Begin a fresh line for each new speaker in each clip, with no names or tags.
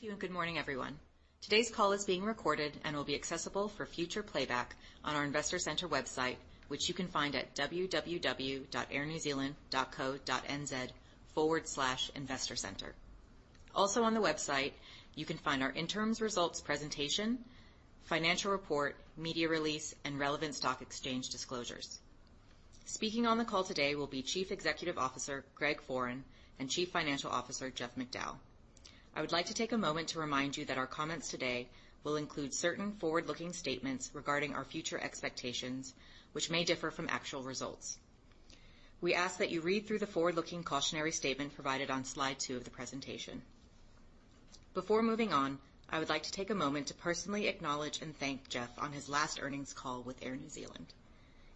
Thank you, good morning, everyone. Today's call is being recorded and will be accessible for future playback on our Investor Centre website, which you can find at www.airnewzealand.co.nz/investorcentre. Also on the website, you can find our interim results presentation, financial report, media release, and relevant stock exchange disclosures. Speaking on the call today will be Chief Executive Officer Greg Foran, and Chief Financial Officer Jeff McDowall. I would like to take a moment to remind you that our comments today will include certain forward-looking statements regarding our future expectations, which may differ from actual results. We ask that you read through the forward-looking cautionary statement provided on slide two of the presentation. Before moving on, I would like to take a moment to personally acknowledge and thank Jeff on his last earnings call with Air New Zealand.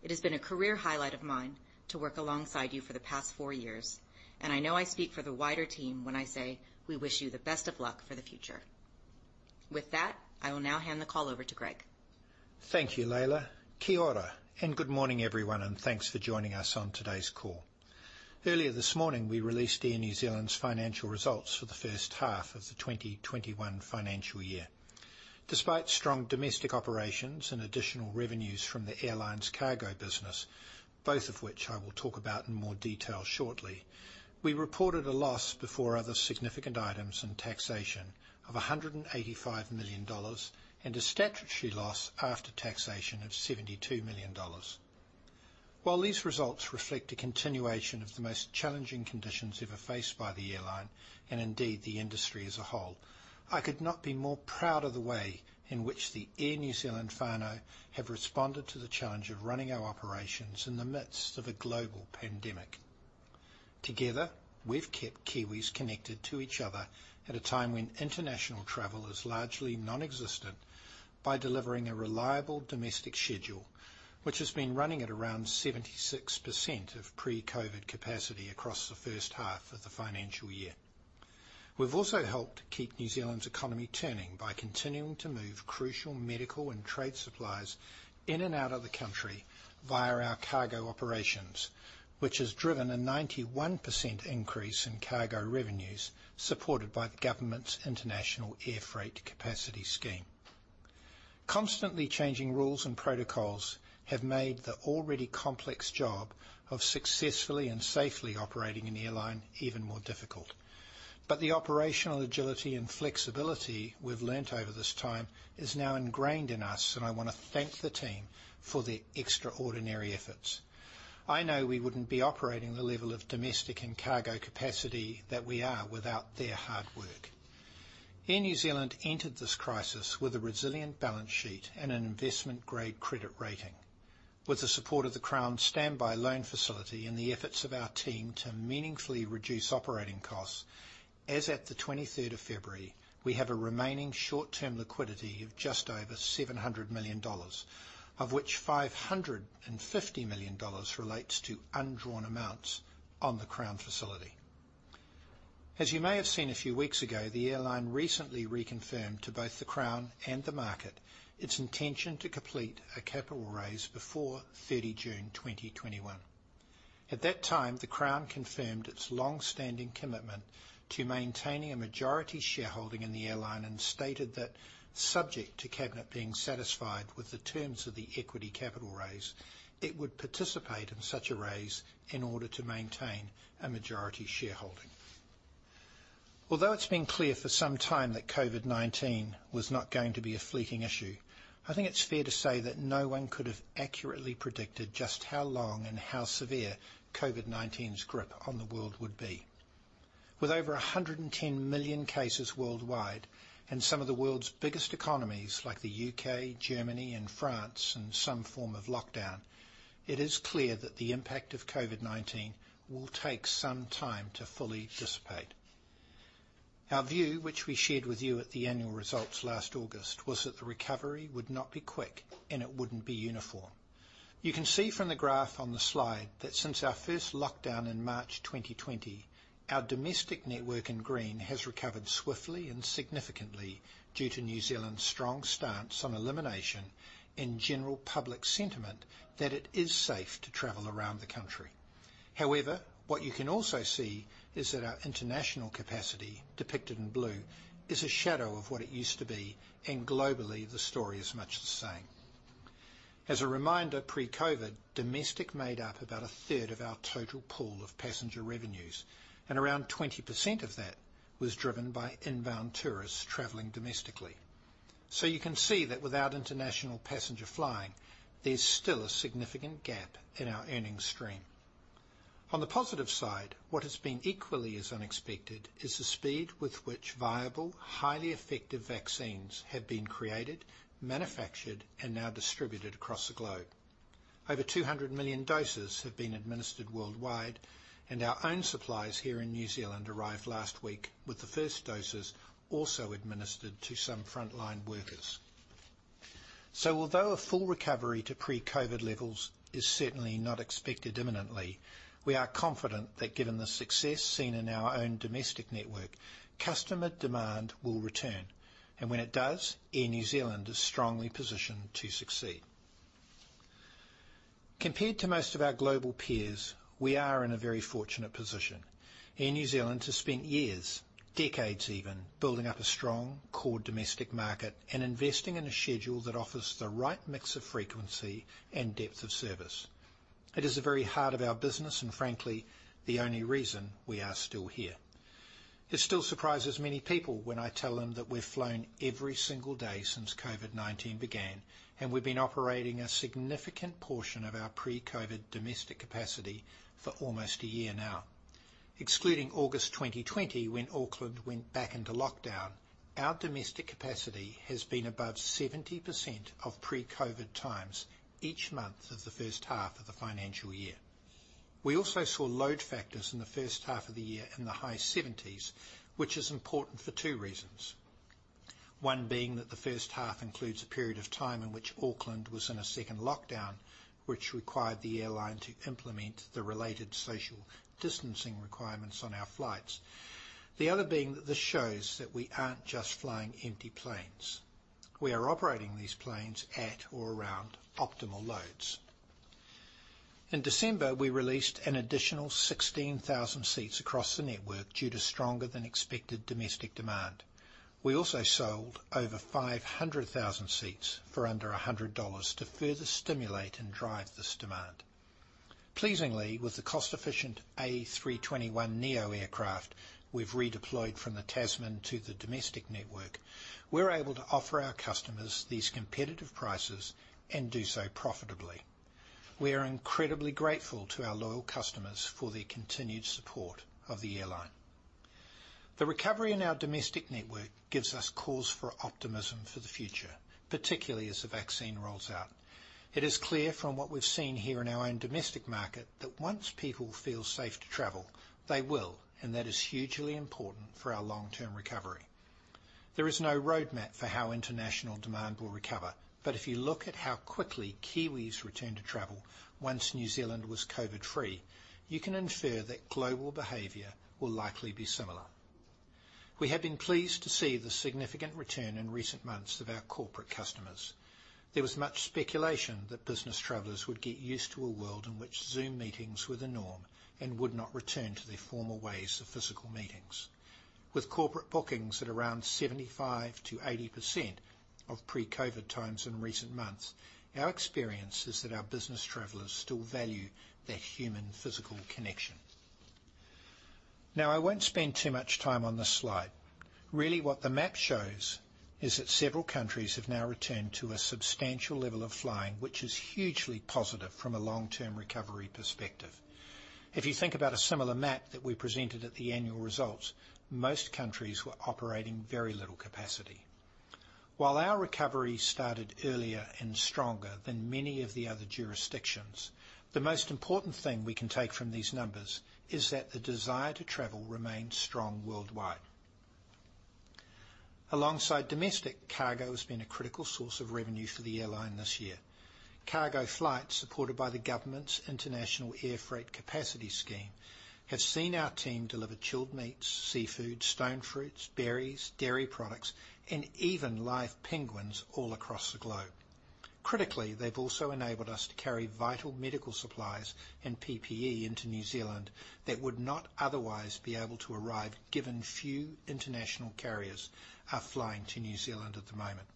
It has been a career highlight of mine to work alongside you for the past four years, and I know I speak for the wider team when I say we wish you the best of luck for the future. With that, I will now hand the call over to Greg.
Thank you, Leila. Kia ora, and good morning, everyone, and thanks for joining us on today's call. Earlier this morning, we released Air New Zealand's financial results for the first half of the 2021 financial year. Despite strong domestic operations and additional revenues from the airline's cargo business, both of which I will talk about in more detail shortly, we reported a loss before other significant items and taxation of NZD 185 million and a statutory loss after taxation of NZD 72 million. While these results reflect a continuation of the most challenging conditions ever faced by the airline and indeed the industry as a whole, I could not be more proud of the way in which the Air New Zealand whānau have responded to the challenge of running our operations in the midst of a global pandemic. Together, we've kept Kiwis connected to each other at a time when international travel is largely nonexistent by delivering a reliable domestic schedule, which has been running at around 76% of pre-COVID-19 capacity across the first half of the financial year. We've also helped keep New Zealand's economy turning by continuing to move crucial medical and trade supplies in and out of the country via our cargo operations, which has driven a 91% increase in cargo revenues, supported by the government's International Airfreight Capacity scheme. Constantly changing rules and protocols have made the already complex job of successfully and safely operating an airline even more difficult. The operational agility and flexibility we've learnt over this time is now ingrained in us, and I want to thank the team for their extraordinary efforts. I know we wouldn't be operating the level of domestic and cargo capacity that we are without their hard work. Air New Zealand entered this crisis with a resilient balance sheet and an investment-grade credit rating. With the support of the Crown's standby loan facility and the efforts of our team to meaningfully reduce operating costs, as at the 23rd of February, we have a remaining short-term liquidity of just over 700 million dollars, of which 550 million dollars relates to undrawn amounts on the Crown facility. As you may have seen a few weeks ago, the airline recently reconfirmed to both the Crown and the market its intention to complete a capital raise before 30 June 2021. At that time, the Crown confirmed its long-standing commitment to maintaining a majority shareholding in the airline and stated that subject to Cabinet being satisfied with the terms of the equity capital raise, it would participate in such a raise in order to maintain a majority shareholding. Although it's been clear for some time that COVID-19 was not going to be a fleeting issue, I think it's fair to say that no one could have accurately predicted just how long and how severe COVID-19's grip on the world would be. With over 110 million cases worldwide and some of the world's biggest economies, like the U.K., Germany, and France, in some form of lockdown, it is clear that the impact of COVID-19 will take some time to fully dissipate. Our view, which we shared with you at the annual results last August, was that the recovery would not be quick, and it wouldn't be uniform. You can see from the graph on the slide that since our first lockdown in March 2020, our domestic network in green has recovered swiftly and significantly due to New Zealand's strong stance on elimination and general public sentiment that it is safe to travel around the country. What you can also see is that our international capacity, depicted in blue, is a shadow of what it used to be, and globally, the story is much the same. As a reminder, pre-COVID, domestic made up about a third of our total pool of passenger revenues, and around 20% of that was driven by inbound tourists traveling domestically. You can see that without international passenger flying, there's still a significant gap in our earnings stream. On the positive side, what has been equally as unexpected is the speed with which viable, highly effective vaccines have been created, manufactured, and now distributed across the globe. Over 200 million doses have been administered worldwide, and our own supplies here in New Zealand arrived last week, with the first doses also administered to some frontline workers. Although a full recovery to pre-COVID-19 levels is certainly not expected imminently, we are confident that given the success seen in our own domestic network, customer demand will return. When it does, Air New Zealand is strongly positioned to succeed. Compared to most of our global peers, we are in a very fortunate position. Air New Zealand has spent years, decades even, building up a strong core domestic market and investing in a schedule that offers the right mix of frequency and depth of service. It is the very heart of our business, frankly, the only reason we are still here. It still surprises many people when I tell them that we've flown every single day since COVID-19 began, we've been operating a significant portion of our pre-COVID domestic capacity for almost a year now. Excluding August 2020, when Auckland went back into lockdown, our domestic capacity has been above 70% of pre-COVID times each month of the first half of the financial year. We also saw load factors in the first half of the year in the high 70s, which is important for two reasons. One being that the first half includes a period of time in which Auckland was in a second lockdown, which required the airline to implement the related social distancing requirements on our flights. The other being that this shows that we aren't just flying empty planes. We are operating these planes at or around optimal loads. In December, we released an additional 16,000 seats across the network due to stronger than expected domestic demand. We also sold over 500,000 seats for under 100 dollars to further stimulate and drive this demand. Pleasingly, with the cost-efficient A321neo aircraft we've redeployed from the Tasman to the domestic network, we're able to offer our customers these competitive prices and do so profitably. We are incredibly grateful to our loyal customers for their continued support of the airline. The recovery in our domestic network gives us cause for optimism for the future, particularly as the vaccine rolls out. It is clear from what we've seen here in our own domestic market that once people feel safe to travel, they will, and that is hugely important for our long-term recovery. There is no roadmap for how international demand will recover, but if you look at how quickly Kiwis returned to travel once New Zealand was COVID-free, you can infer that global behavior will likely be similar. We have been pleased to see the significant return in recent months of our corporate customers. There was much speculation that business travelers would get used to a world in which Zoom meetings were the norm and would not return to their former ways of physical meetings. With corporate bookings at around 75%-80% of pre-COVID times in recent months, our experience is that our business travelers still value that human physical connection. Now, I won't spend too much time on this slide. Really what the map shows is that several countries have now returned to a substantial level of flying, which is hugely positive from a long-term recovery perspective. If you think about a similar map that we presented at the annual results, most countries were operating very little capacity. While our recovery started earlier and stronger than many of the other jurisdictions, the most important thing we can take from these numbers is that the desire to travel remains strong worldwide. Alongside domestic, cargo has been a critical source of revenue for the airline this year. Cargo flights supported by the government's International Airfreight Capacity scheme, have seen our team deliver chilled meats, seafood, stone fruits, berries, dairy products, and even live penguins all across the globe. Critically, they've also enabled us to carry vital medical supplies and PPE into New Zealand that would not otherwise be able to arrive given few international carriers are flying to New Zealand at the moment.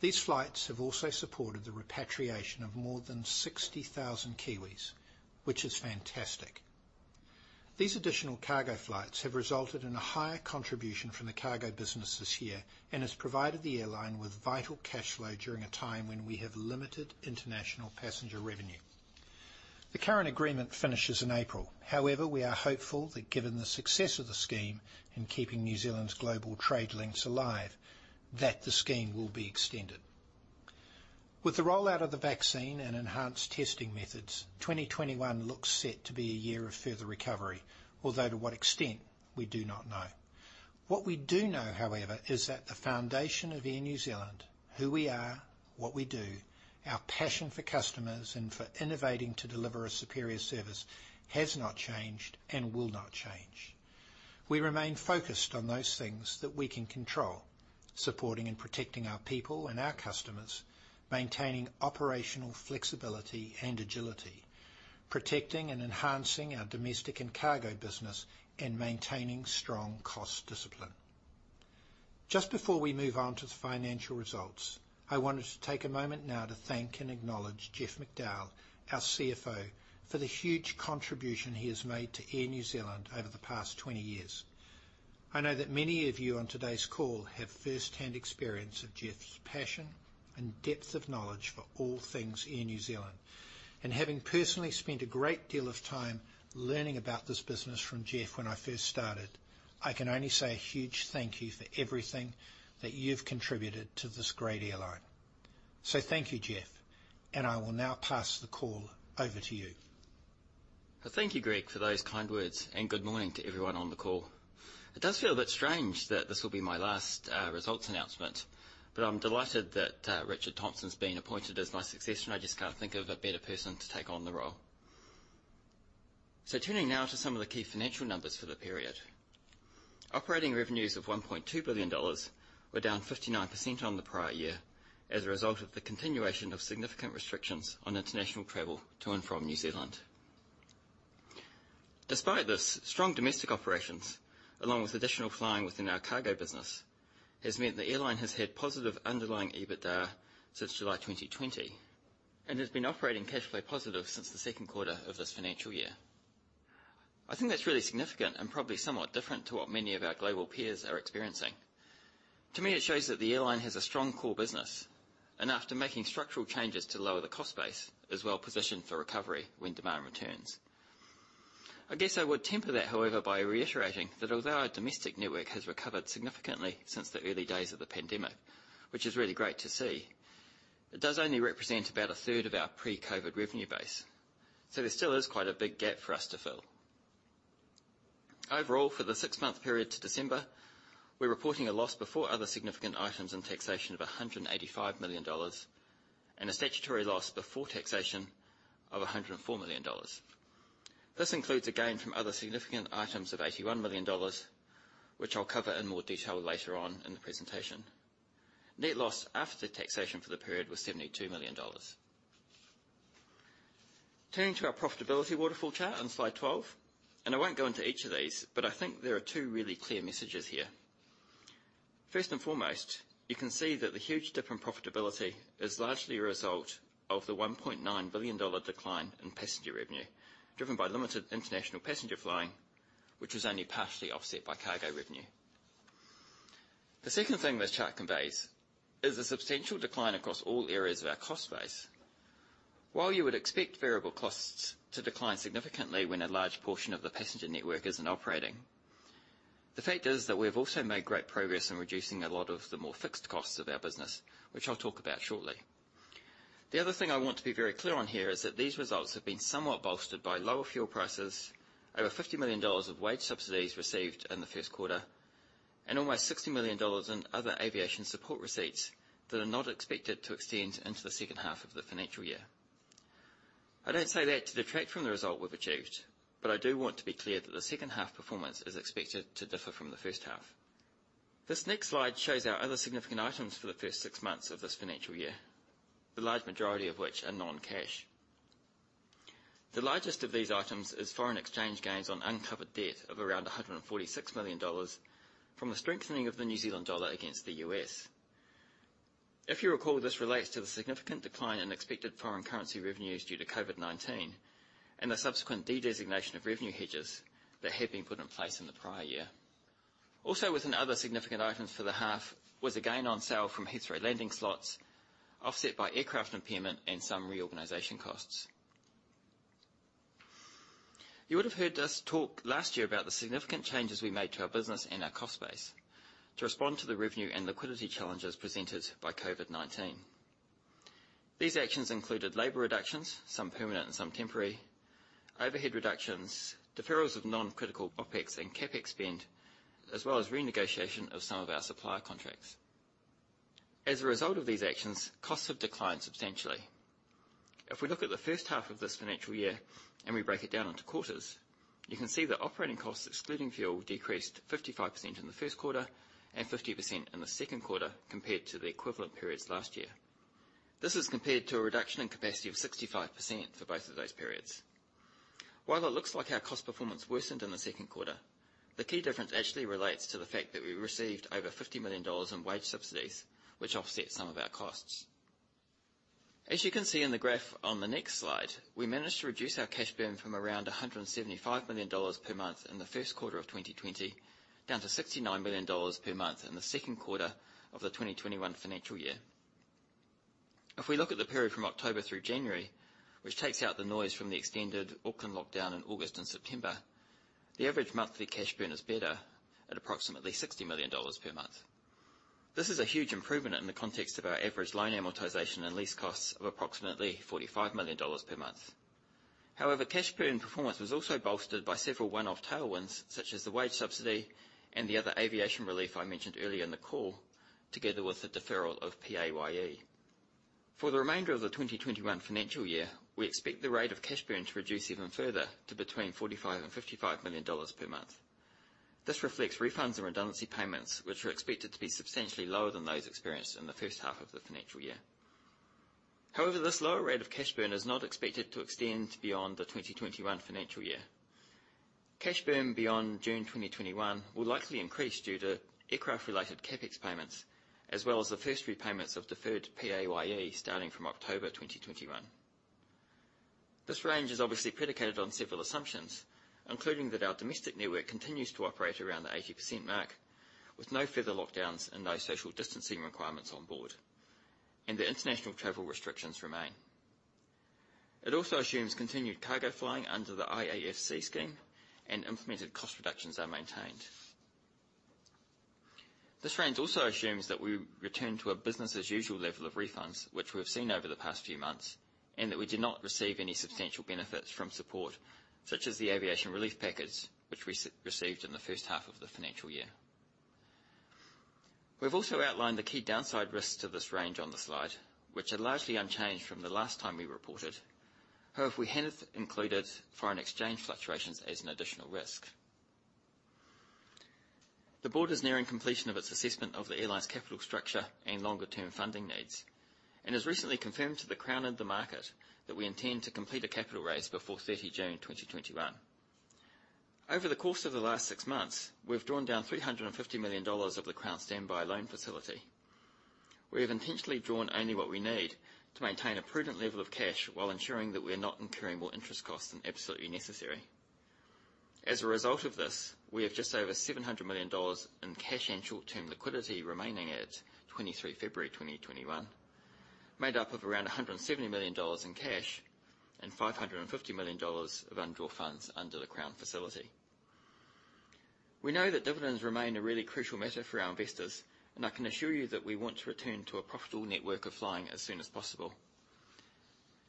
These flights have also supported the repatriation of more than 60,000 Kiwis, which is fantastic. These additional cargo flights have resulted in a higher contribution from the cargo business this year and has provided the airline with vital cash flow during a time when we have limited international passenger revenue. The current agreement finishes in April. We are hopeful that given the success of the scheme in keeping New Zealand's global trade links alive, that the scheme will be extended. With the rollout of the vaccine and enhanced testing methods, 2021 looks set to be a year of further recovery, although to what extent, we do not know. What we do know, however, is that the foundation of Air New Zealand, who we are, what we do, our passion for customers and for innovating to deliver a superior service has not changed and will not change. We remain focused on those things that we can control, supporting and protecting our people and our customers, maintaining operational flexibility and agility, protecting and enhancing our domestic and cargo business, and maintaining strong cost discipline. Just before we move on to the financial results, I wanted to take a moment now to thank and acknowledge Jeff McDowall, our CFO, for the huge contribution he has made to Air New Zealand over the past 20 years. I know that many of you on today's call have firsthand experience of Jeff's passion and depth of knowledge for all things Air New Zealand, and having personally spent a great deal of time learning about this business from Jeff when I first started, I can only say a huge thank you for everything that you've contributed to this great airline. Thank you, Jeff, and I will now pass the call over to you.
Thank you, Greg, for those kind words, and good morning to everyone on the call. It does feel a bit strange that this will be my last results announcement, but I'm delighted that Richard Thomson's been appointed as my successor, and I just can't think of a better person to take on the role. Turning now to some of the key financial numbers for the period. Operating revenues of 1.2 billion dollars were down 59% on the prior year as a result of the continuation of significant restrictions on international travel to and from New Zealand. Despite this, strong domestic operations, along with additional flying within our cargo business, has meant the airline has had positive underlying EBITDA since July 2020, and has been operating cash flow positive since the second quarter of this financial year. I think that's really significant and probably somewhat different to what many of our global peers are experiencing. To me, it shows that the airline has a strong core business, and after making structural changes to lower the cost base, is well-positioned for recovery when demand returns. I guess I would temper that, however, by reiterating that although our domestic network has recovered significantly since the early days of the pandemic, which is really great to see, it does only represent about a third of our pre-COVID revenue base. There still is quite a big gap for us to fill. Overall, for the six-month period to December, we're reporting a loss before other significant items and taxation of NZD 185 million, and a statutory loss before taxation of NZD 104 million. This includes a gain from other significant items of 81 million dollars, which I'll cover in more detail later on in the presentation. Net loss after taxation for the period was 72 million dollars. Turning to our profitability waterfall chart on slide 12, I won't go into each of these, but I think there are two really clear messages here. First and foremost, you can see that the huge dip in profitability is largely a result of the 1.9 billion dollar decline in passenger revenue, driven by limited international passenger flying, which was only partially offset by cargo revenue. The second thing this chart conveys is the substantial decline across all areas of our cost base. While you would expect variable costs to decline significantly when a large portion of the passenger network isn't operating, the fact is that we have also made great progress in reducing a lot of the more fixed costs of our business, which I'll talk about shortly. The other thing I want to be very clear on here is that these results have been somewhat bolstered by lower fuel prices, over NZD 50 million of wage subsidies received in the first quarter, and almost NZD 60 million in other aviation support receipts that are not expected to extend into the second half of the financial year. I don't say that to detract from the result we've achieved, but I do want to be clear that the second half performance is expected to differ from the first half. This next slide shows our other significant items for the first six months of this financial year, the large majority of which are non-cash. The largest of these items is foreign exchange gains on uncovered debt of around NZD 146 million from the strengthening of the New Zealand dollar against the U.S. If you recall, this relates to the significant decline in expected foreign currency revenues due to COVID-19 and the subsequent redesignation of revenue hedges that had been put in place in the prior year. Also within other significant items for the half was a gain on sale from Heathrow landing slots, offset by aircraft impairment and some reorganization costs. You would have heard us talk last year about the significant changes we made to our business and our cost base to respond to the revenue and liquidity challenges presented by COVID-19. These actions included labor reductions, some permanent and some temporary, overhead reductions, deferrals of non-critical OpEx and CapEx spend, as well as renegotiation of some of our supplier contracts. As a result of these actions, costs have declined substantially. If we look at the first half of this financial year and we break it down into quarters, you can see that operating costs, excluding fuel, decreased 55% in the first quarter and 50% in the second quarter compared to the equivalent periods last year. This is compared to a reduction in capacity of 65% for both of those periods. While it looks like our cost performance worsened in the second quarter, the key difference actually relates to the fact that we received over NZD 50 million in wage subsidies, which offset some of our costs. As you can see in the graph on the next slide, we managed to reduce our cash burn from around 175 million dollars per month in the first quarter of 2020 down to 69 million dollars per month in the second quarter of the 2021 financial year. If we look at the period from October through January, which takes out the noise from the extended Auckland lockdown in August and September, the average monthly cash burn is better at approximately 60 million dollars per month. This is a huge improvement in the context of our average loan amortization and lease costs of approximately NZD 45 million per month. However, cash burn performance was also bolstered by several one-off tailwinds, such as the wage subsidy and the other aviation relief I mentioned earlier in the call, together with the deferral of PAYE. For the remainder of the 2021 financial year, we expect the rate of cash burn to reduce even further to between 45 million and 55 million dollars per month. This reflects refunds and redundancy payments, which are expected to be substantially lower than those experienced in the first half of the financial year. However, this lower rate of cash burn is not expected to extend beyond the 2021 financial year. Cash burn beyond June 2021 will likely increase due to aircraft-related CapEx payments as well as the first repayments of deferred PAYE starting from October 2021. This range is obviously predicated on several assumptions, including that our domestic network continues to operate around the 80% mark with no further lockdowns and no social distancing requirements on board, and that international travel restrictions remain. It also assumes continued cargo flying under the IAFC scheme and implemented cost reductions are maintained. This range also assumes that we return to a business-as-usual level of refunds, which we have seen over the past few months, and that we do not receive any substantial benefits from support, such as the aviation relief package, which we received in the first half of the financial year. We've also outlined the key downside risks to this range on the slide, which are largely unchanged from the last time we reported. However, we haven't included foreign exchange fluctuations as an additional risk. The Board is nearing completion of its assessment of the Airline's capital structure and longer-term funding needs, and has recently confirmed to the Crown and the market that we intend to complete a capital raise before 30 June 2021. Over the course of the last six months, we've drawn down 350 million dollars of the Crown standby loan facility. We have intentionally drawn only what we need to maintain a prudent level of cash while ensuring that we are not incurring more interest costs than absolutely necessary. As a result of this, we have just over 700 million dollars in cash and short-term liquidity remaining at 23 February 2021, made up of around NZD 170 million in cash and NZD 550 million of undrawn funds under the Crown facility. We know that dividends remain a really crucial matter for our investors, I can assure you that we want to return to a profitable network of flying as soon as possible.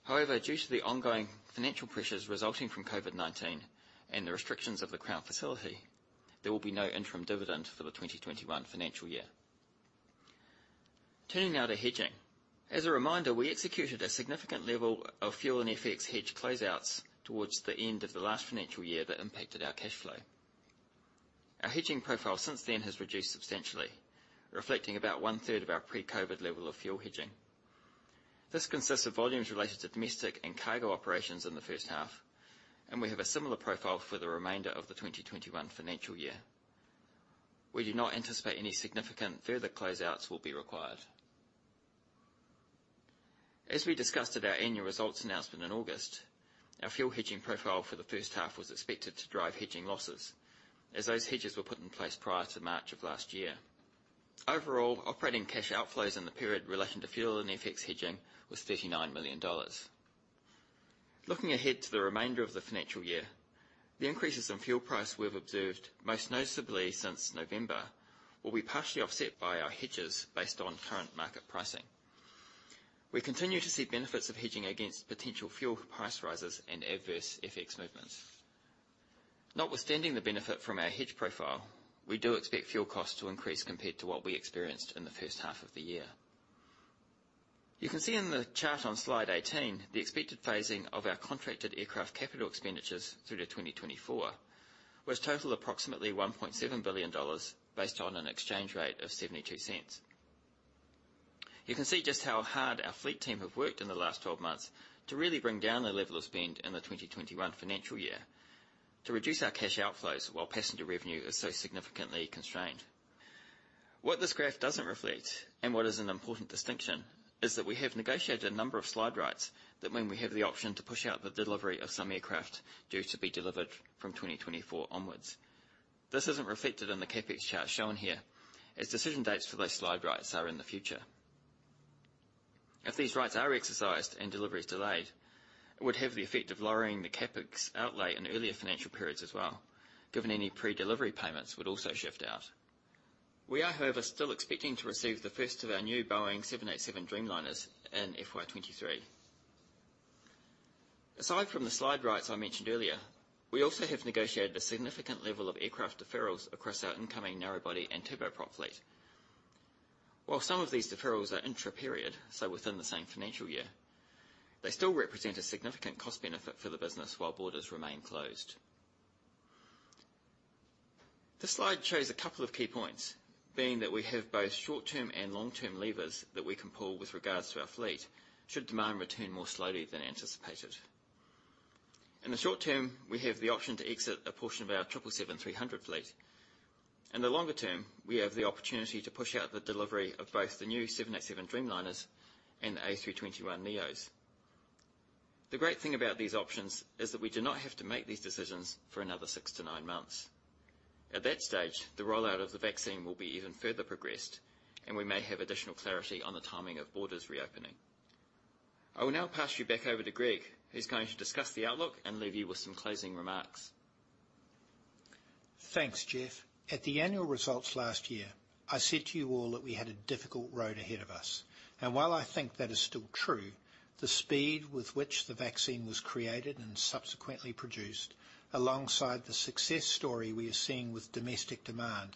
Due to the ongoing financial pressures resulting from COVID-19 and the restrictions of the Crown facility, there will be no interim dividend for the 2021 financial year. Turning now to hedging. As a reminder, we executed a significant level of fuel and FX hedge closeouts towards the end of the last financial year that impacted our cash flow. Our hedging profile since then has reduced substantially, reflecting about 1/3 of our pre-COVID level of fuel hedging. This consists of volumes related to domestic and cargo operations in the first half, and we have a similar profile for the remainder of the 2021 financial year. We do not anticipate any significant further closeouts will be required. As we discussed at our annual results announcement in August, our fuel hedging profile for the first half was expected to drive hedging losses, as those hedges were put in place prior to March of last year. Overall, operating cash outflows in the period relating to fuel and FX hedging was 39 million dollars. Looking ahead to the remainder of the financial year, the increases in fuel price we have observed most noticeably since November, will be partially offset by our hedges based on current market pricing. We continue to see benefits of hedging against potential fuel price rises and adverse FX movements. Notwithstanding the benefit from our hedge profile, we do expect fuel costs to increase compared to what we experienced in the first half of the year. You can see in the chart on slide 18 the expected phasing of our contracted aircraft capital expenditures through to 2024, which total approximately 1.7 billion dollars, based on an exchange rate of 0.72. You can see just how hard our fleet team have worked in the last 12 months to really bring down the level of spend in the 2021 financial year to reduce our cash outflows while passenger revenue is so significantly constrained. What this graph doesn't reflect, and what is an important distinction, is that we have negotiated a number of slide rights that mean we have the option to push out the delivery of some aircraft due to be delivered from 2024 onwards. This isn't reflected in the CapEx chart shown here, as decision dates for those slide rights are in the future. If these rights are exercised and deliveries delayed, it would have the effect of lowering the CapEx outlay in earlier financial periods as well, given any pre-delivery payments would also shift out. We are, however, still expecting to receive the first of our new Boeing 787 Dreamliners in FY 2023. Aside from the slide rights I mentioned earlier, we also have negotiated a significant level of aircraft deferrals across our incoming narrow-body and turboprop fleet. While some of these deferrals are intra-period, so within the same financial year, they still represent a significant cost benefit for the business while borders remain closed. This slide shows a couple of key points, being that we have both short-term and long-term levers that we can pull with regards to our fleet should demand return more slowly than anticipated. In the short term, we have the option to exit a portion of our 777-300 fleet. In the longer term, we have the opportunity to push out the delivery of both the new 787 Dreamliners and the A321neos. The great thing about these options is that we do not have to make these decisions for another six to nine months. At that stage, the rollout of the vaccine will be even further progressed, and we may have additional clarity on the timing of borders reopening. I will now pass you back over to Greg, who's going to discuss the outlook and leave you with some closing remarks.
Thanks, Jeff. At the annual results last year, I said to you all that we had a difficult road ahead of us. While I think that is still true, the speed with which the vaccine was created and subsequently produced, alongside the success story we are seeing with domestic demand,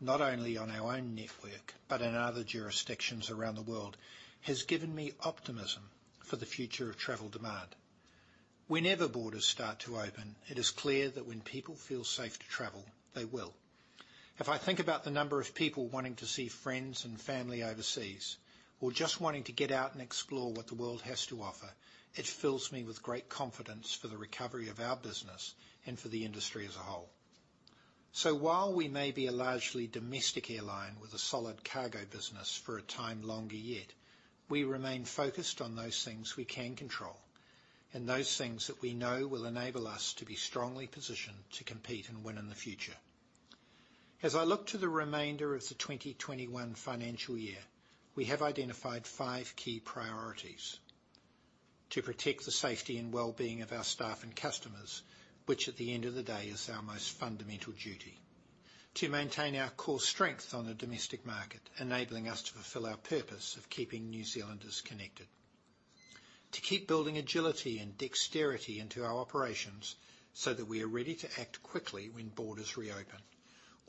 not only on our own network, but in other jurisdictions around the world, has given me optimism for the future of travel demand. Whenever borders start to open, it is clear that when people feel safe to travel, they will. If I think about the number of people wanting to see friends and family overseas, or just wanting to get out and explore what the world has to offer, it fills me with great confidence for the recovery of our business and for the industry as a whole. While we may be a largely domestic airline with a solid cargo business for a time longer yet, we remain focused on those things we can control and those things that we know will enable us to be strongly positioned to compete and win in the future. As I look to the remainder of the 2021 financial year, we have identified five key priorities: To protect the safety and well-being of our staff and customers, which at the end of the day is our most fundamental duty. To maintain our core strength on the domestic market, enabling us to fulfill our purpose of keeping New Zealanders connected. To keep building agility and dexterity into our operations so that we are ready to act quickly when borders reopen,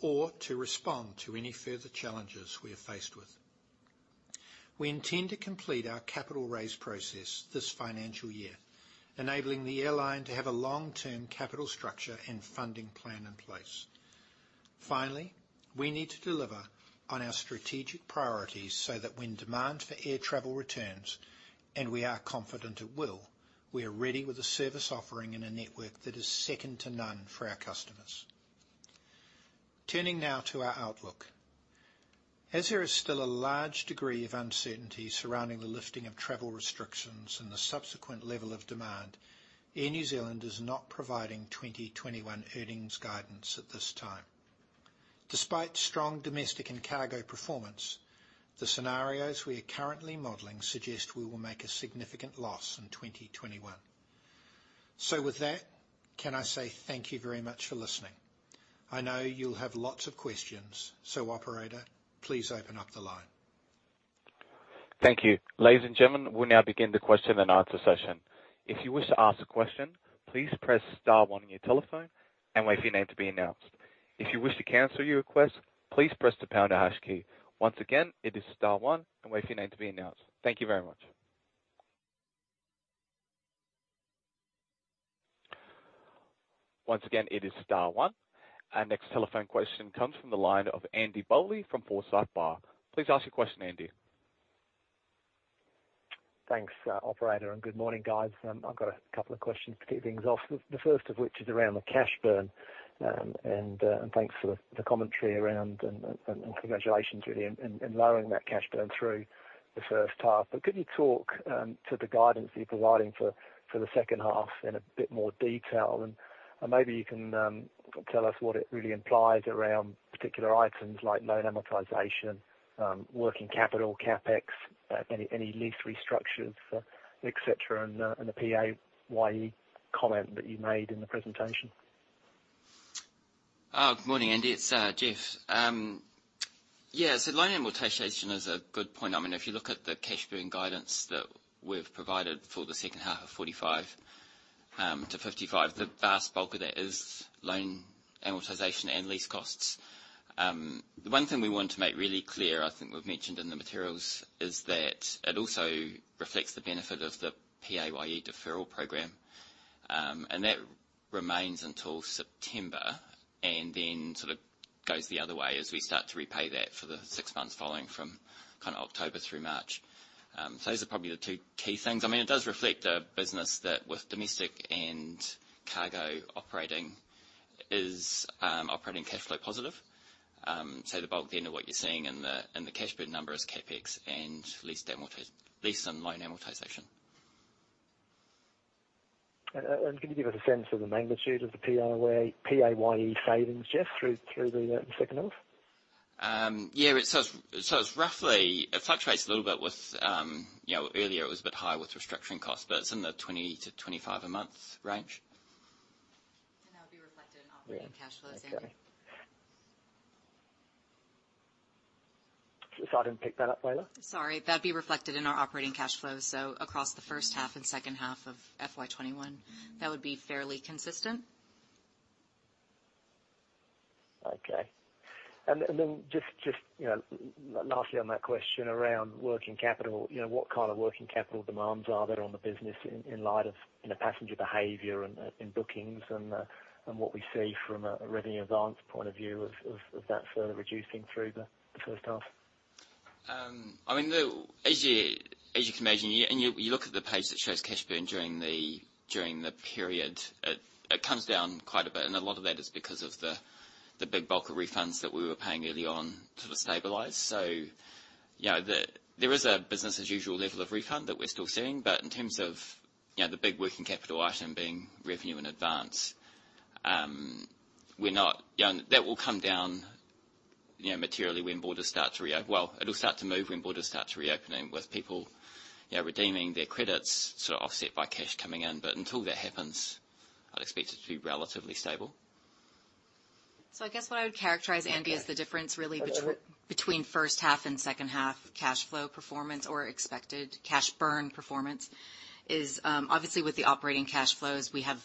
or to respond to any further challenges we are faced with. We intend to complete our capital raise process this financial year, enabling the Airline to have a long-term capital structure and funding plan in place. Finally, we need to deliver on our strategic priorities so that when demand for air travel returns, and we are confident it will, we are ready with a service offering and a network that is second-to-none for our customers. Turning now to our outlook. As there is still a large degree of uncertainty surrounding the lifting of travel restrictions and the subsequent level of demand, Air New Zealand is not providing 2021 earnings guidance at this time. Despite strong domestic and cargo performance, the scenarios we are currently modeling suggest we will make a significant loss in 2021. With that, can I say thank you very much for listening. I know you'll have lots of questions. Operator, please open up the line.
Thank you. Ladies and gentlemen, we'll now begin the question-and-answer session. If you wish to ask a question, please press star one on your telephone and wait for your name to be announced. If you wish to cancel your request, please press the pound or hash key. Once again, it is star one and wait for your name to be announced. Thank you very much. Once again, it is star one. Our next telephone question comes from the line of Andy Bowley from Forsyth Barr. Please ask your question, Andy.
Thanks, Operator, and good morning, guys. I've got a couple of questions to kick things off. The first of which is around the cash burn, and thanks for the commentary and congratulations really in lowering that cash burn through the first half. Could you talk to the guidance that you're providing for the second half in a bit more detail? Maybe you can tell us what it really implies around particular items like loan amortization, working capital, CapEx, any lease restructures, et cetera, and the PAYE comment that you made in the presentation.
Good morning, Andy, it's Jeff. Loan amortization is a good point. If you look at the cash burn guidance that we've provided for the second half of 45 million-55 million, the vast bulk of that is loan amortization and lease costs. The one thing we want to make really clear, I think we've mentioned in the materials, is that it also reflects the benefit of the PAYE deferral program. That remains until September and then sort of goes the other way as we start to repay that for the six months following from October through March. Those are probably the two key things. It does reflect a business that with domestic and cargo operating, is operating cash flow positive. The bulk then of what you're seeing in the cash burn number is CapEx and lease and loan amortization.
Can you give us a sense of the magnitude of the PAYE savings, Jeff, through the second half?
Yeah. It fluctuates a little bit with, earlier it was a bit higher with restructuring costs, but it's in the 20%-25% a month range.
That would be reflected in operating cash flows, Andy.
Sorry, I didn't pick that up, Leila.
Sorry. That'd be reflected in our operating cash flows. Across the first half and second half of FY 2021, that would be fairly consistent.
Okay. Just lastly on that question around working capital, what kind of working capital demands are there on the business in light of passenger behavior and in bookings and what we see from a revenue in advance point of view of that further reducing through the first half?
As you can imagine, and you look at the page that shows cash burn during the period, it comes down quite a bit, and a lot of that is because of the big bulk of refunds that we were paying early on to stabilize. There is a business as usual level of refund that we're still seeing. In terms of the big working capital item being revenue in advance, that will come down materially when borders start to reopen. Well, it'll start to move when borders start reopening with people redeeming their credits, offset by cash coming in. Until that happens, I'd expect it to be relatively stable.
I guess what I would characterize, Andy, is the difference really between first half and second half cash flow performance or expected cash burn performance is, obviously with the operating cash flows, we have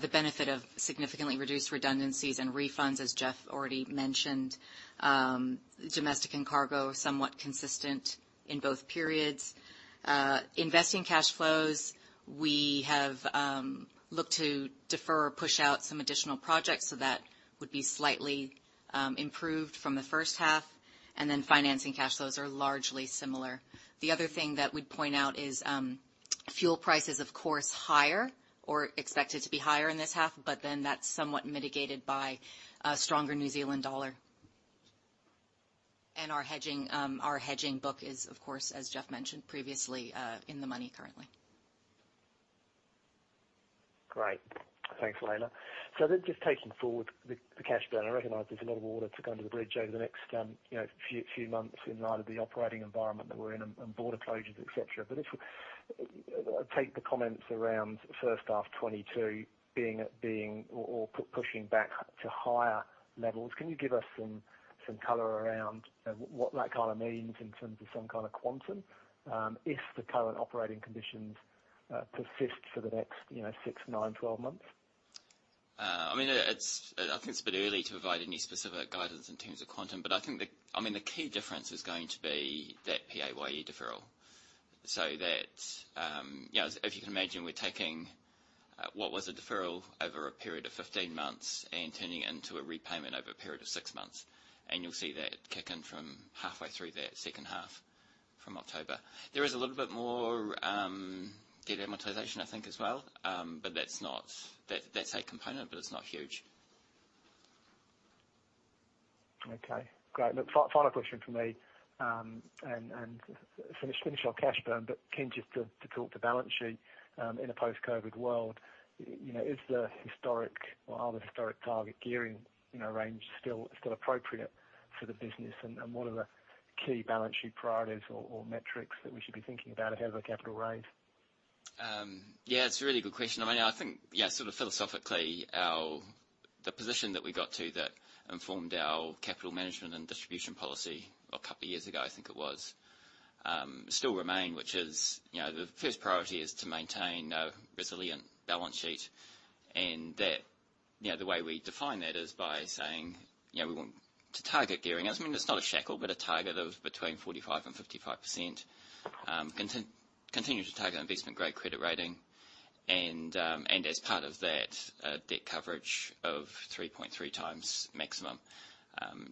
the benefit of significantly reduced redundancies and refunds, as Jeff already mentioned. Domestic and cargo, somewhat consistent in both periods. Investing cash flows, we have looked to defer or push out some additional projects, that would be slightly improved from the first half. Financing cash flows are largely similar. The other thing that we'd point out is fuel price is of course higher or expected to be higher in this half, that's somewhat mitigated by a stronger New Zealand dollar. Our hedging book is, of course, as Jeff mentioned previously, in the money currently.
Great. Thanks, Leila. Just taking forward the cash burn, I recognize there's a lot of water to go under the bridge over the next few months in light of the operating environment that we're in and border closures, et cetera. But if we take the comments around first half 2022 or pushing back to higher levels, can you give us some color around what that means in terms of some kind of quantum if the current operating conditions persist for the next six, nine, 12 months?
I think it's a bit early to provide any specific guidance in terms of quantum. I think the key difference is going to be that PAYE deferral. If you can imagine, we're taking what was a deferral over a period of 15 months and turning it into a repayment over a period of six months, and you'll see that kick in from halfway through that second half from October. There is a little bit more debt amortization, I think, as well. That's a component, but it's not huge.
Okay. Great. Look, final question from me. finish on cash burn, but keen just to talk to balance sheet in a post-COVID world. Are the historic target gearing range still appropriate for the business? What are the key balance sheet priorities or metrics that we should be thinking about ahead of a capital raise?
Yeah, it's a really good question. I think philosophically, the position that we got to that informed our capital management and distribution policy a couple of years ago, I think it was, still remain, which is the first priority is to maintain a resilient balance sheet. The way we define that is by saying, we want to target gearing. It's not a shackle, but a target of between 45% and 55%. Continue to target investment-grade credit rating. As part of that, debt coverage of 3.3x maximum.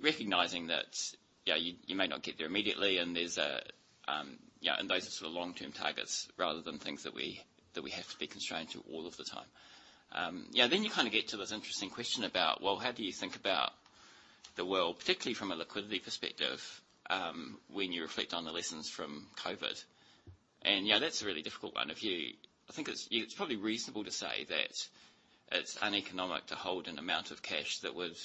Recognizing that you may not get there immediately and those are sort of long-term targets rather than things that we have to be constrained to all of the time. You get to this interesting question about, well, how do you think about the world, particularly from a liquidity perspective, when you reflect on the lessons from COVID? Yeah, that's a really difficult one. I think it's probably reasonable to say that it's uneconomic to hold an amount of cash that would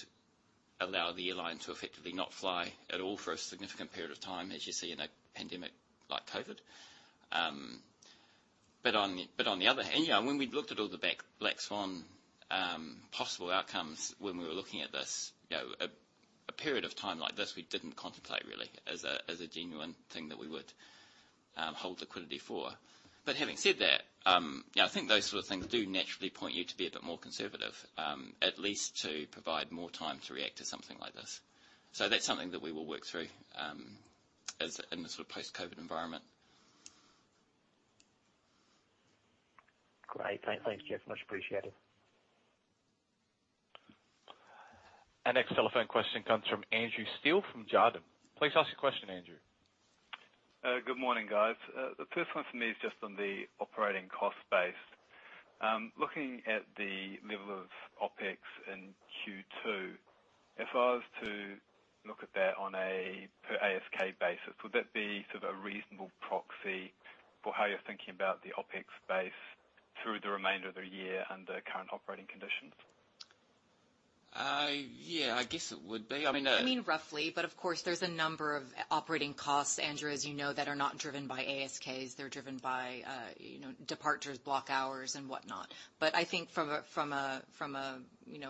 allow the airline to effectively not fly at all for a significant period of time, as you see in a pandemic like COVID. On the other hand, when we looked at all the black swan possible outcomes when we were looking at this, a period of time like this, we didn't contemplate really as a genuine thing that we would hold liquidity for. Having said that, I think those sort of things do naturally point you to be a bit more conservative, at least to provide more time to react to something like this. That's something that we will work through in the post-COVID environment.
Great. Thanks, Jeff. Much appreciated.
Our next telephone question comes from Andrew Steele from Jarden. Please ask your question, Andrew.
Good morning, guys. The first one for me is just on the operating cost base. Looking at the level of OpEx in Q2, if I was to look at that on a per ASK basis, would that be sort of a reasonable proxy for how you're thinking about the OpEx base through the remainder of the year under current operating conditions?
Yeah, I guess it would be.
I mean, roughly, of course, there's a number of operating costs, Andrew, as you know, that are not driven by ASKs. They're driven by departures, block hours, and whatnot. I think from a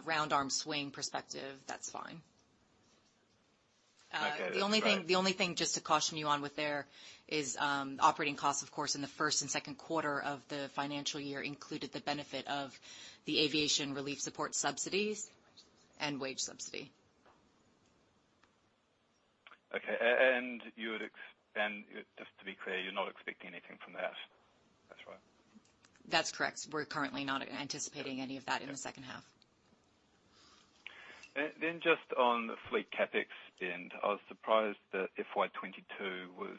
round-arm swing perspective, that's fine.
Okay. That's great.
The only thing just to caution you on with there is operating costs, of course, in the first and second quarter of the financial year included the benefit of the aviation relief support subsidies and wage subsidy.
Okay. Just to be clear, you're not expecting anything from that's right?
That's correct. We're currently not anticipating any of that in the second half.
Just on the fleet CapEx spend, I was surprised that FY 2022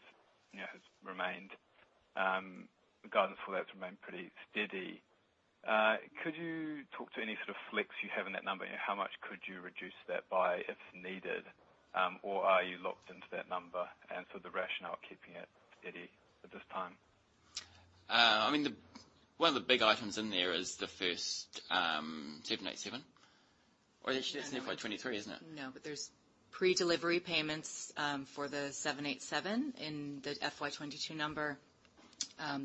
guidance for that remained pretty steady. Could you talk to any sort of flex you have in that number? How much could you reduce that by if needed? Are you locked into that number and the rationale keeping it steady at this time?
One of the big items in there is the first 787. Actually it's in FY 2023, isn't it?
No, there's pre-delivery payments for the 787 in the FY22 number.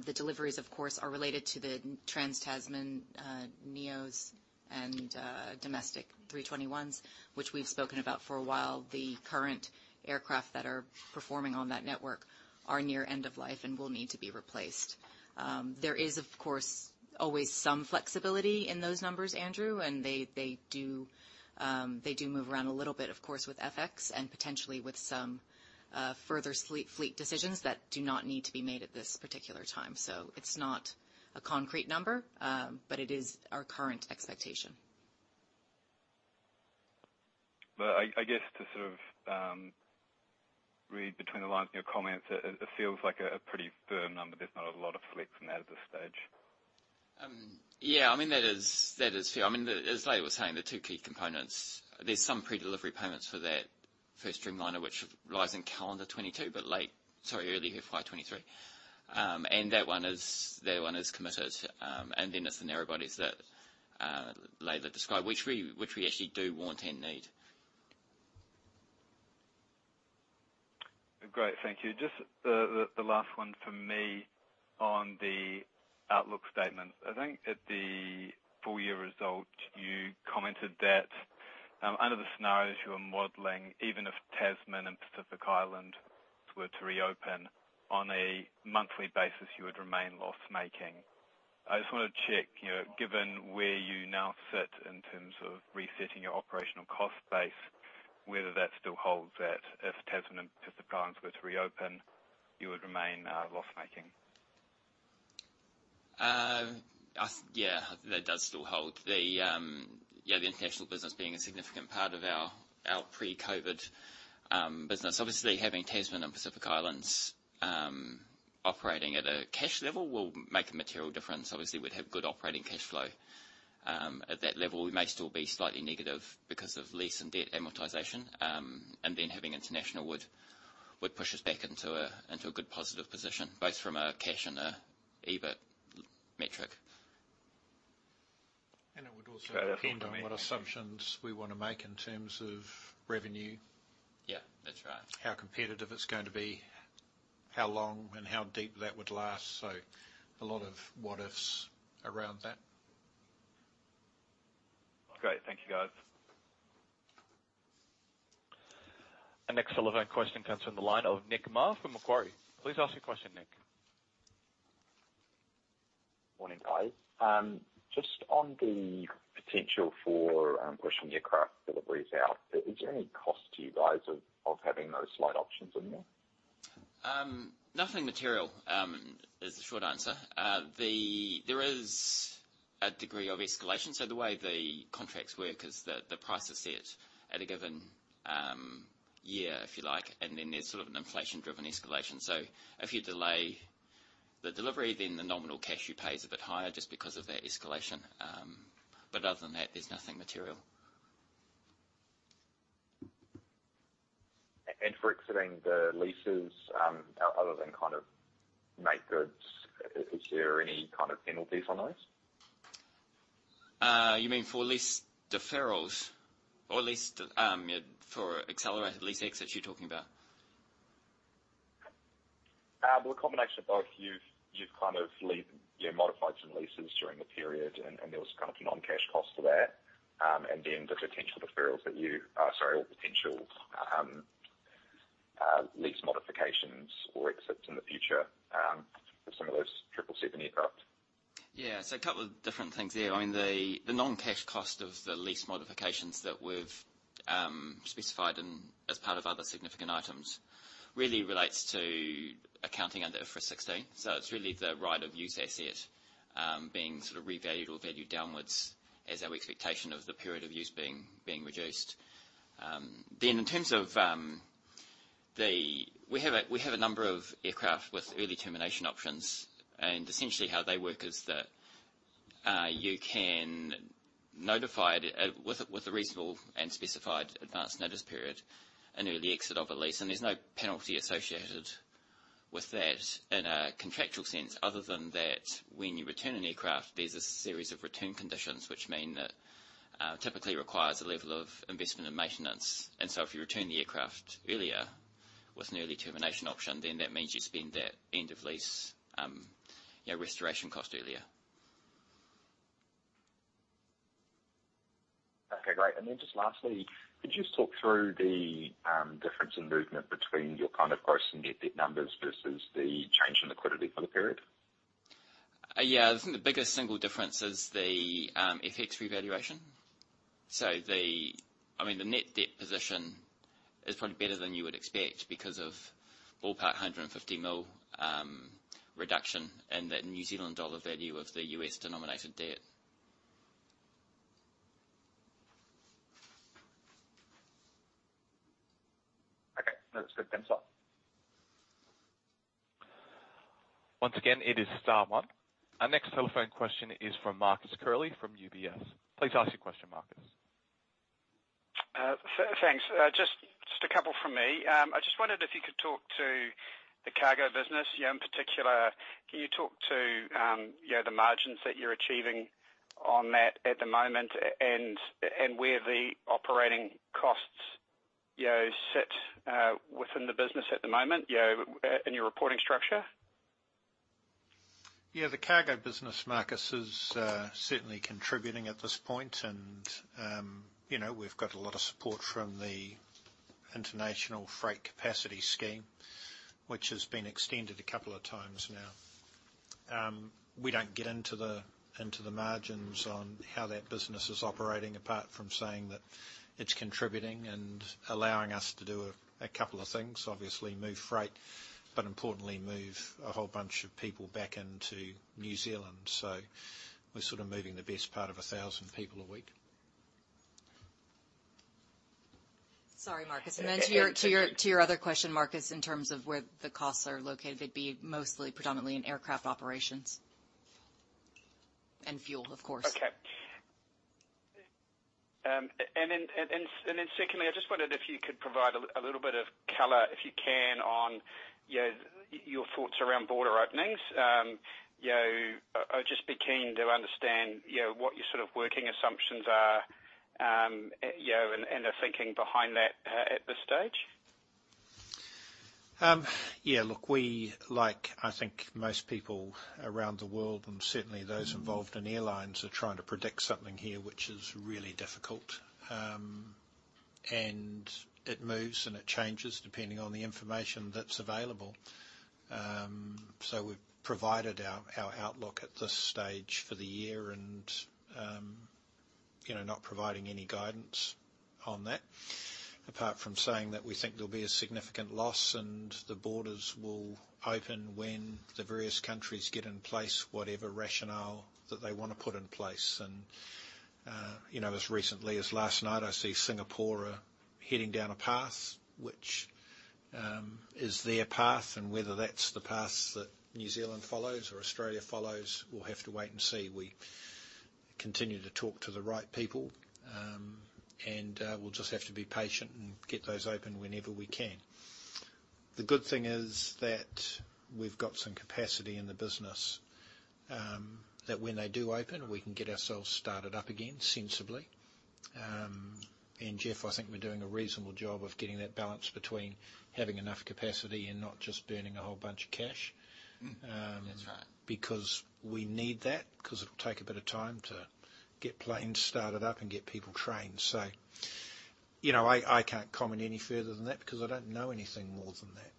The deliveries, of course, are related to the Trans-Tasman neos and domestic 321s, which we've spoken about for a while. The current aircraft that are performing on that network are near end of life and will need to be replaced. There is, of course, always some flexibility in those numbers, Andrew, and they do move around a little bit, of course, with FX and potentially with some further fleet decisions that do not need to be made at this particular time. It's not a concrete number, but it is our current expectation.
I guess to sort of read between the lines in your comments, it feels like a pretty firm number. There's not a lot of flex in that at this stage.
Yeah. As Leila was saying, the two key components, there's some pre-delivery payments for that first Dreamliner, which lies in calendar 2022, but early FY 2023. That one is committed. It's the narrow bodies that Leila described, which we actually do want and need.
Great. Thank you. Just the last one from me on the outlook statements. I think at the full-year result, you commented that under the scenarios you are modeling, even if Tasman and Pacific Islands were to reopen on a monthly basis, you would remain loss-making. I just want to check, given where you now sit in terms of resetting your operational cost base, whether that still holds, that if Tasman and Pacific Islands were to reopen, you would remain loss-making.
That does still hold. The international business being a significant part of our pre-COVID business. Obviously, having Tasman and Pacific Islands operating at a cash level will make a material difference. Obviously, we'd have good operating cash flow. At that level, we may still be slightly negative because of lease and debt amortization. Having international would push us back into a good positive position, both from a cash and a EBIT metric.
It would also depend on what assumptions we want to make in terms of revenue.
Yeah, that's right.
How competitive it's going to be, how long and how deep that would last. A lot of what-ifs around that.
Great. Thank you guys.
Our next telephone question comes from the line of Nick Mah from Macquarie. Please ask your question, Nick.
Morning, guys. Just on the potential for pushing aircraft deliveries out, is there any cost to you guys of having those slide options in there?
Nothing material is the short answer. The way the contracts work is the price is set at a given year, if you like, and then there's sort of an inflation-driven escalation. If you delay the delivery, then the nominal cash you pay is a bit higher just because of that escalation. Other than that, there's nothing material.
For exiting the leases, other than kind of make-goods, is there any kind of penalties on those?
You mean for lease deferrals or for accelerated lease exits you're talking about?
Well, a combination of both. You've kind of modified some leases during the period, and there was kind of a non-cash cost to that. The potential lease modifications or exits in the future for some of those 777 aircraft.
Yeah. A couple of different things there. The non-cash cost of the lease modifications that we've specified as part of other significant items really relates to accounting under IFRS 16. It's really the right-of-use asset being sort of revalued or valued downwards as our expectation of the period of use being reduced. In terms of, we have a number of aircraft with early termination options, and essentially how they work is that you can notify, with a reasonable and specified advance notice period, an early exit of a lease. There's no penalty associated with that in a contractual sense other than that when you return an aircraft, there's a series of return conditions which mean that typically requires a level of investment and maintenance. If you return the aircraft earlier with an early termination option, that means you spend that end of lease restoration cost earlier.
Okay, great. Just lastly, could you talk through the difference in movement between your kind of gross net debt numbers versus the change in liquidity for the period?
Yeah. I think the biggest single difference is the FX revaluation. The net debt position is probably better than you would expect because of ballpark 150 million reduction in that New Zealand dollar value of the U.S. denominated debt.
Okay. No, that's good. Thanks a lot.
Once again, it is star one. Our next telephone question is from Marcus Curley from UBS. Please ask your question, Marcus.
Thanks. Just a couple from me. I just wondered if you could talk to the cargo business. In particular, can you talk to the margins that you're achieving on that at the moment and where the operating costs sit within the business at the moment in your reporting structure?
Yeah. The cargo business, Marcus, is certainly contributing at this point. We've got a lot of support from the International Airfreight Capacity scheme, which has been extended a couple of times now. We don't get into the margins on how that business is operating apart from saying that it's contributing and allowing us to do a couple of things. Obviously, move freight, but importantly, move a whole bunch of people back into New Zealand. We're sort of moving the best part of 1,000 people a week.
Sorry, Marcus. Then to your other question, Marcus, in terms of where the costs are located, it'd be mostly predominantly in aircraft operations. Fuel, of course.
Okay. Secondly, I just wondered if you could provide a little bit of color, if you can, on your thoughts around border openings. I'd just be keen to understand what your sort of working assumptions are and the thinking behind that at this stage.
Look, we, like I think most people around the world, and certainly those involved in airlines, are trying to predict something here, which is really difficult. It moves and it changes depending on the information that's available. We've provided our outlook at this stage for the year and not providing any guidance on that, apart from saying that we think there'll be a significant loss and the borders will open when the various countries get in place, whatever rationale that they want to put in place. As recently as last night, I see Singapore are heading down a path, which is their path, and whether that's the path that New Zealand follows or Australia follows, we'll have to wait and see. We continue to talk to the right people. We'll just have to be patient and get those open whenever we can. The good thing is that we've got some capacity in the business, that when they do open, we can get ourselves started up again sensibly. Jeff, I think we're doing a reasonable job of getting that balance between having enough capacity and not just burning a whole bunch of cash.
That's right.
We need that, because it'll take a bit of time to get planes started up and get people trained. I can't comment any further than that because I don't know anything more than that.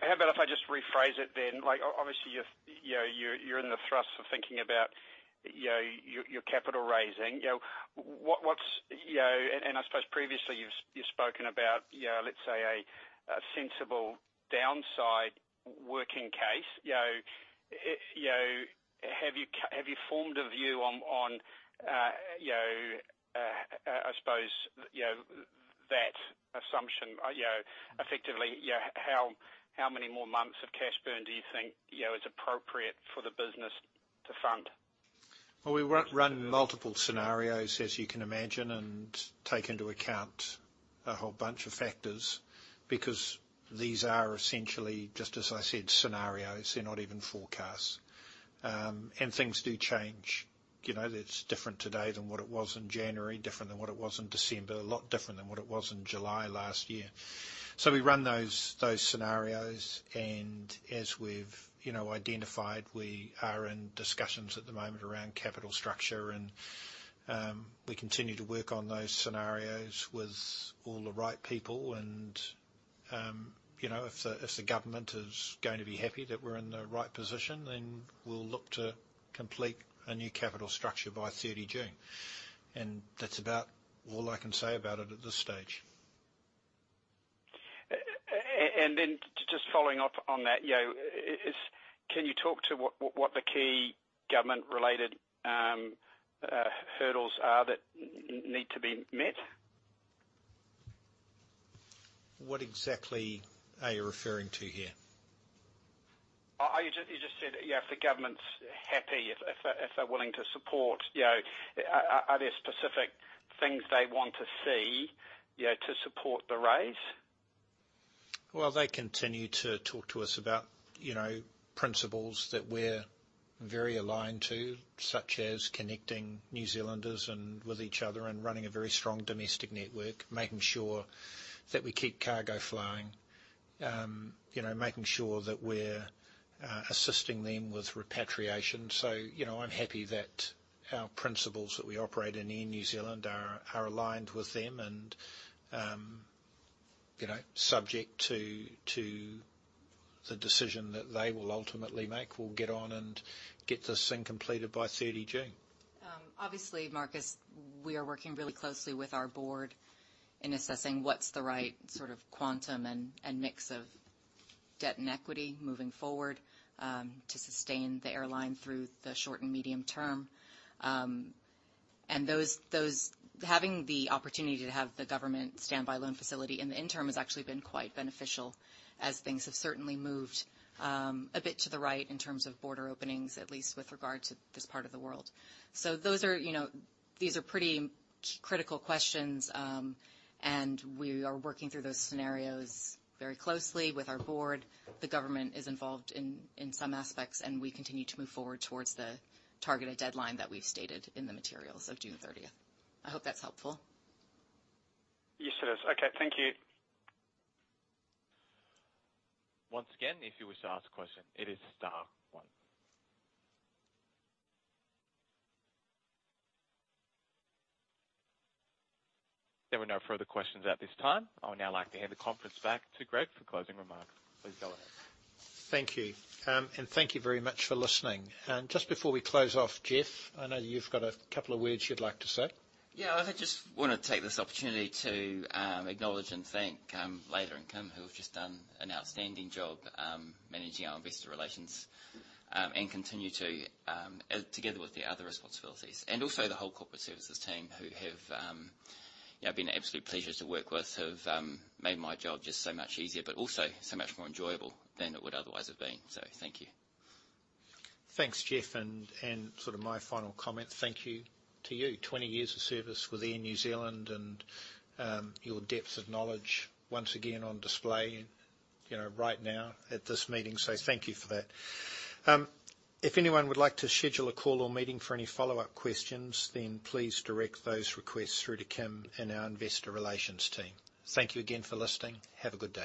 How about if I just rephrase it then? Obviously, you're in the thrust of thinking about your capital raising. I suppose previously you've spoken about, let's say, a sensible downside working case. Have you formed a view on, I suppose, that assumption, effectively, how many more months of cash burn do you think is appropriate for the business to fund?
We run multiple scenarios, as you can imagine, and take into account a whole bunch of factors, because these are essentially, just as I said, scenarios. They're not even forecasts. Things do change. It's different today than what it was in January, different than what it was in December, a lot different than what it was in July last year. We run those scenarios, and as we've identified, we are in discussions at the moment around capital structure and we continue to work on those scenarios with all the right people. If the government is going to be happy that we're in the right position, then we'll look to complete a new capital structure by 30 June. That's about all I can say about it at this stage.
Just following up on that, can you talk to what the key government-related hurdles are that need to be met?
What exactly are you referring to here?
You just said, if the government's happy, if they're willing to support, are there specific things they want to see to support the raise?
They continue to talk to us about principles that we're very aligned to, such as connecting New Zealanders with each other and running a very strong domestic network, making sure that we keep cargo flying. Making sure that we're assisting them with repatriation. I'm happy that our principles that we operate in Air New Zealand are aligned with them and subject to the decision that they will ultimately make, we'll get on and get this thing completed by 30 June.
Obviously, Marcus, we are working really closely with our Board in assessing what's the right sort of quantum and mix of debt and equity moving forward, to sustain the airline through the short and medium term. Having the opportunity to have the government standby loan facility in the interim has actually been quite beneficial, as things have certainly moved a bit to the right in terms of border openings, at least with regard to this part of the world. These are pretty critical questions, and we are working through those scenarios very closely with our Board. The government is involved in some aspects, we continue to move forward towards the targeted deadline that we've stated in the materials of June 30th. I hope that's helpful.
Yes, it is. Okay. Thank you.
Once again, if you wish to ask a question, it is star one. There were no further questions at this time. I would now like to hand the conference back to Greg for closing remarks. Please go ahead.
Thank you. Thank you very much for listening. Just before we close off, Jeff, I know you've got a couple of words you'd like to say.
I just want to take this opportunity to acknowledge and thank Leila and Kim, who have just done an outstanding job managing our investor relations, and continue to, together with their other responsibilities. The whole corporate services team who have been an absolute pleasure to work with, who've made my job just so much easier, but also so much more enjoyable than it would otherwise have been. Thank you.
Thanks, Jeff, and sort of my final comment, thank you to you. 20 years of service with Air New Zealand and your depth of knowledge once again on display right now at this meeting. Thank you for that. If anyone would like to schedule a call or meeting for any follow-up questions, then please direct those requests through to Kim and our Investor Relations team. Thank you again for listening. Have a good day.